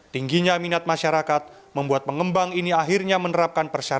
tingginya minat masyarakat membuat pengembang ini akhirnya menerapkan persyaratan